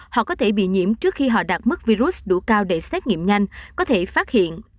họ có thể bị nhiễm trước khi họ đạt mức đủ cao để xét nghiệm nhanh có thể phát hiện